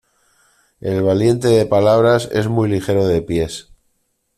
El valiente de palabras es muy ligero de pies.